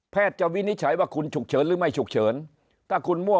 จะวินิจฉัยว่าคุณฉุกเฉินหรือไม่ฉุกเฉินถ้าคุณมั่ว